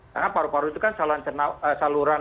karena paru paru itu kan saluran